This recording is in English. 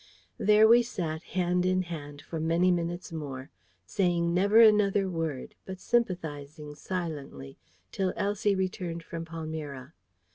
There we sat, hand in hand, for many minutes more, saying never another word, but sympathising silently, till Elsie returned from Palmyra.